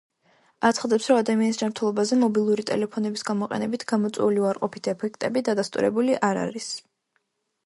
აცხადებს, რომ ადამიანის ჯანმრთელობაზე მობილური ტელეფონების გამოყენებით გამოწვეული უარყოფითი ეფექტები დადასტურებული არ არის.